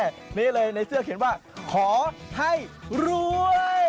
นี่เลยในเสื้อเขียนว่าขอให้รวย